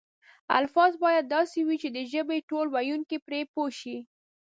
الفاظ باید داسې وي چې د ژبې ټول ویونکي پرې پوه شي.